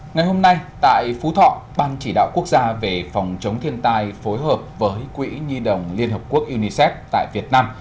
ngày hôm nay tại phú thọ ban chỉ đạo quốc gia về phòng chống thiên tai phối hợp với quỹ nhi đồng liên hợp quốc unicef tại việt nam